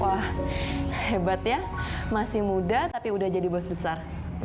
wah hebat ya masih muda tapi udah jadi bos besar